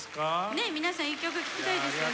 ねえ皆さん１曲聴きたいですよね。